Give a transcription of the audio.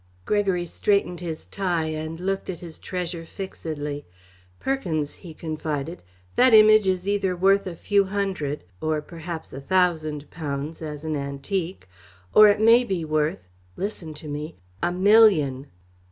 Gregory straightened his tie and looked at his treasure fixedly. "Perkins," he confided, "that Image is either worth a few hundred, or perhaps a thousand pounds as an antique, or it may be worth listen to me a million."